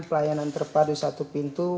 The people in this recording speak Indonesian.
pelayanan terpadu satu pintu